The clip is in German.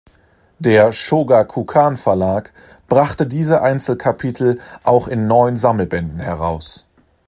Der Shōgakukan-Verlag brachte diese Einzelkapitel auch in neun Sammelbänden heraus.